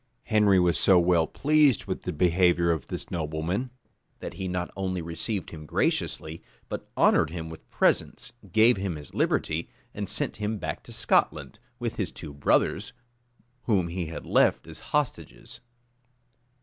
Henry was so well pleased with the behavior of this nobleman, that he not only received him graciously, but honored him with presents, gave him his liberty, and sent him back to Scotland, with his two brothers, whom he had left as hostages.